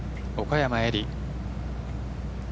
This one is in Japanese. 岡山絵里。